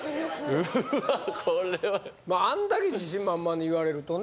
うわーこれはあんだけ自信満々に言われるとね